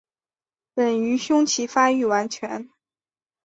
本鱼胸鳍发育完全。